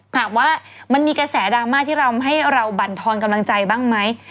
ถามว่ามันมีกระแสดราม่าที่เราให้เราบรรทอนกำลังใจบ้างไหม